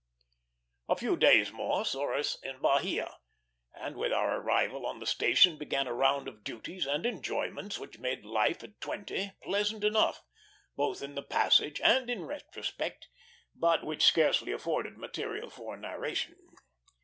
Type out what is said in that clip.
A few days more saw us in Bahia; and with our arrival on the station began a round of duties and enjoyments which made life at twenty pleasant enough, both in the passage and in retrospect, but which scarcely afford material for narration.